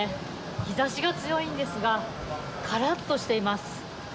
日ざしが強いんですが、からっとしています。